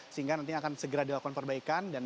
sehingga nantinya akan segera dilakukan perbaikan